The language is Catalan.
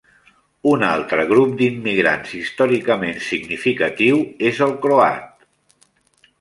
Un altre grup d'immigrants històricament significatiu és el croat.